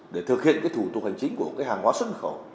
để thực hiện thủ tục hành chính của hàng hóa xuất khẩu